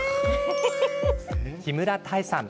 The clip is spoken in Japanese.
木村多江さん。